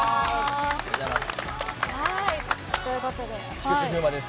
菊池風磨です。